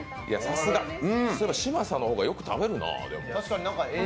嶋佐の方がよく食べるな。